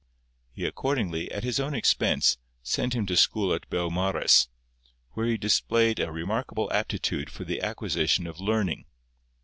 He accordingly, at his own expense, sent him to school at Beaumaris, where he displayed a remarkable aptitude for the acquisition of learning.